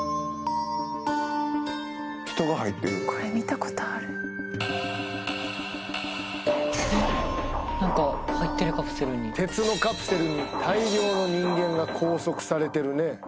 人が入ってるこれ見たことある何か入ってるカプセルに鉄のカプセルに大量の人間が拘束されてるね